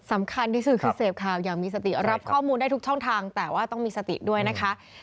สำคัญที่สุดคือเสพข่าวอย่างมีสติรับข้อมูลได้ทุกช่องทางแต่ว่าต้องมีสติด้วยนะคะ